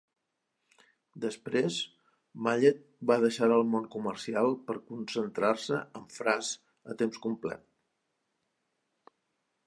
Després, Mallett va deixar el món comercial per concentrar-se en Frazz a temps complet.